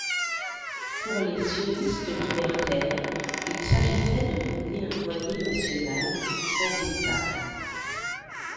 Pour les sionistes libertaires, il s'agissait de fonder un foyer national sans État.